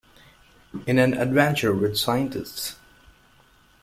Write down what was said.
In an Adventure with Scientists!